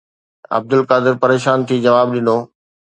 عبدالقادر پريشان ٿي جواب ڏنو